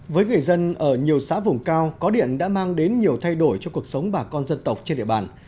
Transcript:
với người dân ở nhiều xã vùng cao có điện đã mang đến nhiều thay đổi cho cuộc sống bà con dân tộc trên địa bàn